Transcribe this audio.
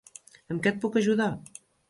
Amb què et puc ajudar?